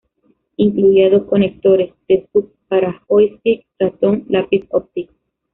Incluía dos conectores D-sub para joystick, ratón, lápiz óptico.